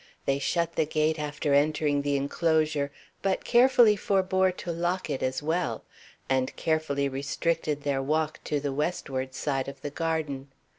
They shut the gate after entering the inclosure, but carefully forbore to lock it as well, and carefully restricted their walk to the westward side of the garden.